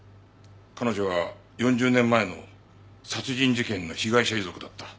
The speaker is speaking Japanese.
彼女は４０年前の殺人事件の被害者遺族だった。